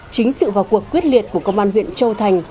chính sự vào cuộc quyết liệt của công an huyện châu thành